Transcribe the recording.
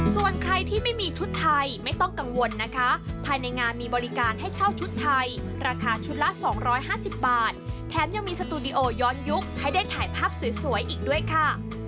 ส่วนใครที่ไม่มีชุดไทยไม่ต้องกังวลนะคะภายในงานมีบริการให้เช่าชุดไทยราคาชุดละ๒๕๐บาทแถมยังมีสตูดิโอย้อนยุคให้ได้ถ่ายภาพสวยอีกด้วยค่ะ